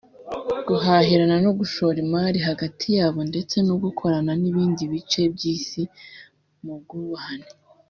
guhahirana no gushora imari hagati yabo ndetse no gukorana n’ibindi bice by’isi mu bwubahane